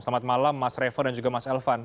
selamat malam mas revo dan juga mas elvan